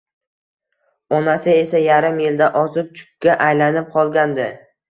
Onasi esa, yarim yilda ozib, chupga aylanib qolgandi